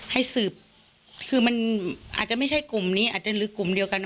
ให้สืบคือมันอาจจะไม่ใช่กลุ่มนี้อาจจะหรือกลุ่มเดียวกัน